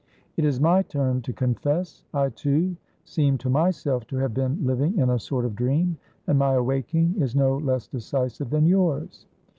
"It is my turn to confess. I, too, seem to myself to have been living in a sort of dream, and my awaking is no less decisive than yours.